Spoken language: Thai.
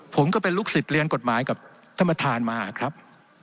ผมก็เป็นลูกศิษย์เรียนกฎหมายกับท่านประธานมาครับ